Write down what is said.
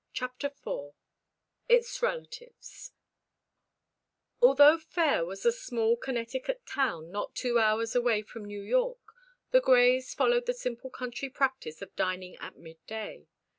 CHAPTER FOUR ITS RELATIVES Although Fayre was a small Connecticut town not two hours away from New York, the Greys followed the simple country practice of dining at mid day.